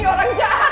ini orang jahat pak